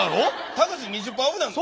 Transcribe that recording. タクシー２０パーオフなんか？